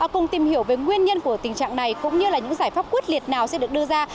cùng tìm hiểu về nguyên nhân của tình trạng này cũng như là những giải pháp quyết liệt nào sẽ được đưa ra